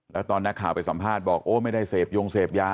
แล้วตอนนักข่าวไปสัมภาษณ์บอกโอ้ไม่ได้เสพยงเสพยา